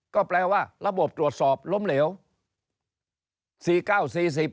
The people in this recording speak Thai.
ก็แปลว่าระบบตรวจสอบล้มเหลว